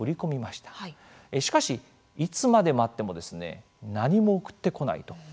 しかし、いつまで待っても何も送ってこないと。